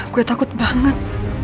gue takut banget